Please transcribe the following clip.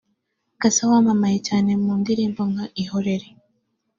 Cassa wamamaye cyane mu ndirimbo nka Ihorere